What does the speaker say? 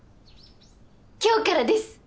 今日からです！